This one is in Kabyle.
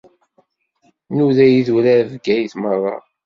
Nnuda idurar Bgayet meṛṛa.